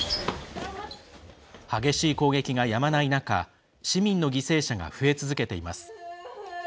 激しい攻撃がやまない中市民の犠牲者が増え続けています。